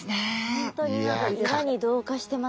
本当に何か岩に同化してますね。